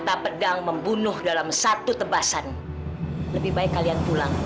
mata pedang membunuh dalam satu tebasan